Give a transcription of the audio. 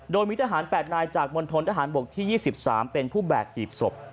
โดยมีทหาร๘นายจากมณฑนทหารบกที่๒๓เป็นผู้แบกหีบศพ